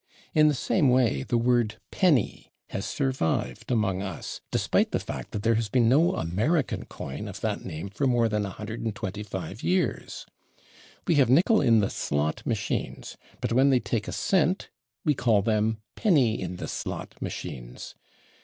In the same way the word /penny/ has survived among us, despite the fact that there has been no American coin of that name for more than 125 years. We have /nickel in the slot/ machines, but when they take a cent we call them /penny in the slot/ machines.